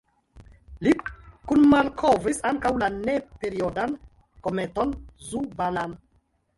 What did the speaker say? Li kunmalkovris ankaŭ la ne-periodan kometon Zhu-Balam.